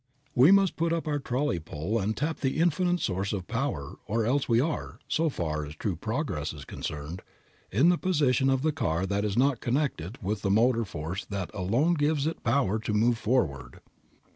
We must put up our trolley pole and tap the infinite Source of Power or else we are, so far as true progress is concerned, in the position of the car that is not connected with the motor force that alone gives it power to move forward.